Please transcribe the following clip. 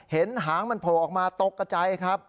เห็นหางมันโผล่ออกมาตกกระใจครับ